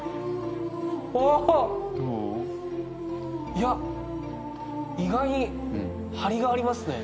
いや意外に張りがありますね。